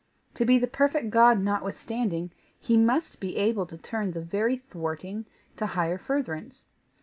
To be the perfect God notwithstanding, he must be able to turn the very thwarting to higher furtherance.